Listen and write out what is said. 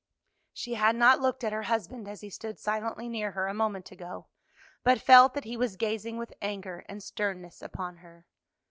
She had not looked at her husband as he stood silently near her a moment ago, but felt that he was gazing with anger and sternness upon her.